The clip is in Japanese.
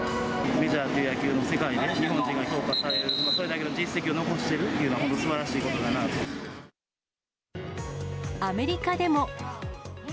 メジャーという野球の世界で、日本人が評価される、それだけの実績を残しているっていうのは本アメリカでも。